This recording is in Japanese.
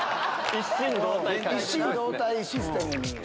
一心同体システムに。